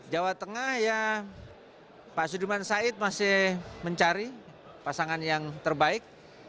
jawa tengah ya pak sudirman said masih mencari pasangan yang terbaik